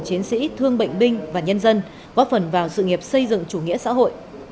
bệnh viện ba mươi tháng bốn là một bộ chiến sĩ thương bệnh binh và nhân dân góp phần vào sự nghiệp xây dựng chủ nghĩa xã hội